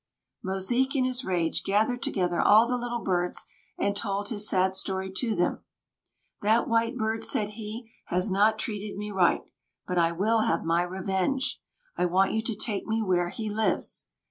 Mosique, in his rage, gathered together all the Little Birds, and told his sad story to them. "That White Bird," said he, "has not treated me right; but I will have my revenge. I want you to take me where he lives."